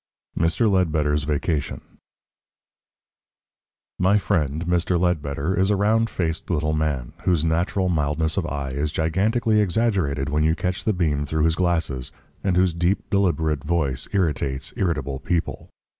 9. MR. LEDBETTER'S VACATION My friend, Mr. Ledbetter, is a round faced little man, whose natural mildness of eye is gigantically exaggerated when you catch the beam through his glasses, and whose deep, deliberate voice irritates irritable people.